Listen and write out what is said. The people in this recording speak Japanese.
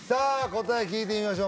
答え聞いてみましょう